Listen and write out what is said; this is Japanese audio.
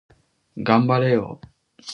頑張れよ